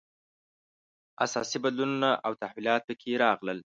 اساسي بدلونونه او تحولات په کې راغلل.